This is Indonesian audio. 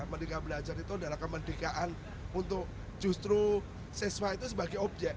merdeka belajar itu adalah kemerdekaan untuk justru siswa itu sebagai objek